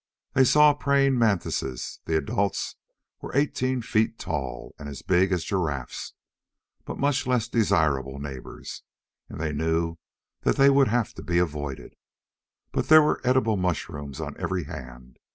They saw praying mantises the adults were eighteen feet tall and as big as giraffes, but much less desirable neighbors and knew that they would have to be avoided. But there were edible mushrooms on every hand.